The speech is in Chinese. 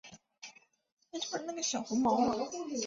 手工电弧焊最常见的焊接工艺。